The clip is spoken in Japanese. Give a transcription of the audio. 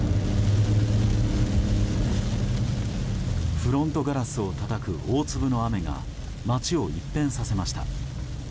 フロントガラスをたたく大粒の雨が街を一変させました。